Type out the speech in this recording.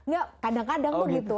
ya kadang kadang tuh gitu